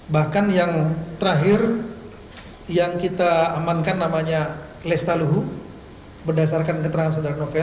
bahkan yang terakhir yang kita amankan namanya lestaluhu berdasarkan keterangan saudara novel